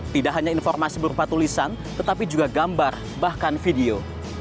tidak hanya informasi berupa tulisan tetapi juga gambar bahkan video